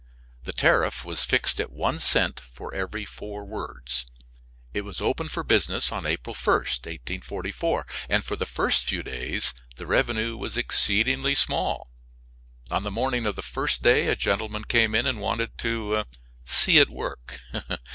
The tariff was fixed at one cent for every four words. It was open for business on April 1, 1844, and for the first few days the revenue was exceedingly small. On the morning of the first day a gentleman came in and wanted to "see it work."